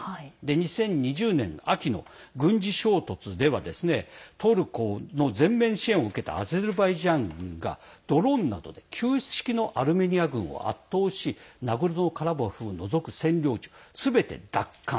２０２０年秋の軍事衝突ではトルコの全面支援を受けたアゼルバイジャン軍がドローンなどで旧式のアルメニア軍を圧倒しナゴルノカラバフを除く占領地をすべて奪還。